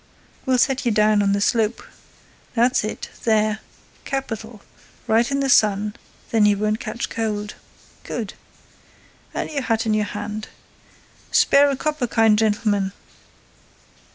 We'll set you down on the slope. That's it—there—capital—right in the sun, then you won't catch cold—good! And our hat in our hand.—Spare a copper, kind gentleman!